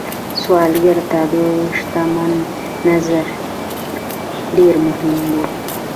سوالګر ته د شتمن نظر ډېر مهم دی